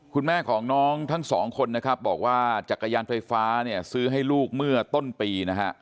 คุณแม่ของน้องทั้งสองคนนะครับบอกว่าจักรยานไฟฟ้าเนี่ยซื้อให้ลูกเมื่อต้นปีนะฮะ